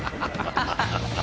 ハハハハ！